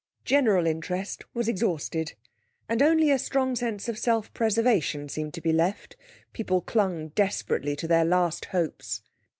General interest was exhausted, and only a strong sense of self preservation seemed to be left; people clung desperately to their last hopes.